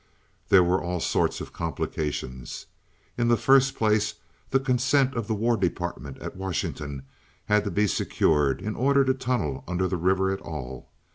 There were all sorts of complications. In the first place, the consent of the War Department at Washington had to be secured in order to tunnel under the river at all.